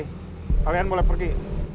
kalian boleh pergi